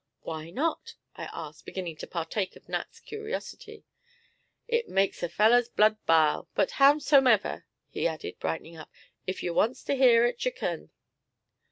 "Why not?" I asked, beginning to partake of Nat's curiosity. "It makes a feller's blood bile; but, howsomever," he added, brightening up, "if you wants to hear it, yer kin."